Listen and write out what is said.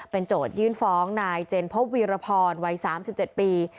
โจทยื่นฟ้องนายเจนพบวีรพรวัย๓๗ปี